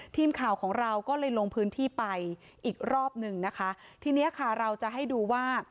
ทีมข่าวของเราก็เลยลงพื้นที่ไปอีกรอบหนึ่งนะคะทีเนี้ยค่ะเราจะให้ดูว่า